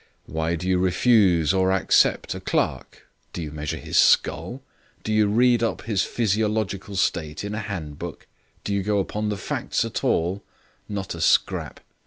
Why do you refuse or accept a clerk? Do you measure his skull? Do you read up his physiological state in a handbook? Do you go upon facts at all? Not a scrap.